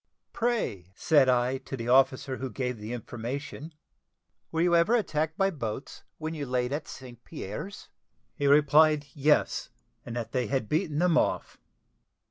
"Pray," said I, to the officer who gave the information, "were you ever attacked by boats when you laid at St. Pierre's?" He replied, "Yes; and that they had beaten them off."